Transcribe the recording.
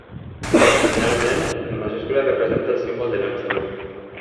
Finalment, en majúscules representa el símbol de l'àngstrom.